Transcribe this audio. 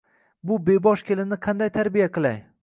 Bu bebosh kelinni qanday tarbiya qilay